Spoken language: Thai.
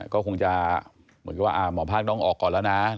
ก็คงจะเหมือนกับว่าหมอภาคน้องออกก่อนแล้วนะ